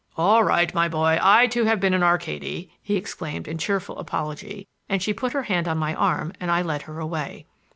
"All right, my boy; I, too, have been in Arcady!" he exclaimed in cheerful apology, and she put her hand on my arm and I led her away.